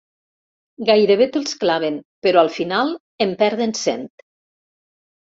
Gairebé te'ls claven, però al final en perden cent.